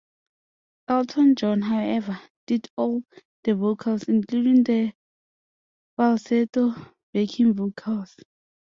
Elton John, however, did all the vocals, including the falsetto backing vocals.